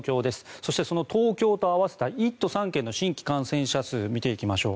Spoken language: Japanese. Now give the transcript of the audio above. そして、その東京と合わせて１都３県の新規感染者数を見ていきましょう。